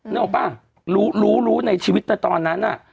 นึกออกป่ะรู้รู้ในชีวิตแต่ตอนนั้นน่ะ